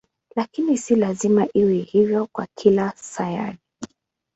Lakini si lazima iwe hivyo kwa kila sayari.